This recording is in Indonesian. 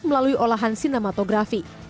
melalui olahan sinematografi